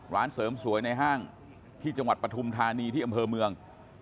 ร้านเสริมสวยในห้างที่จังหวัดปฐุมธานีที่อำเภอเมือง